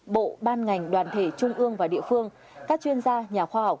bộ ban ngành đoàn thể trung ương và địa phương các chuyên gia nhà khoa học